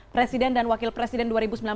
presiden dan wakil presiden dua ribu sembilan belas